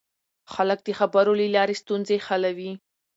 خلک د خبرو له لارې ستونزې حلوي